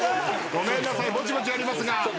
ごめんなさいぼちぼちやります。